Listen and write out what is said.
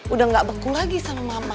udah gak beku lagi sama mama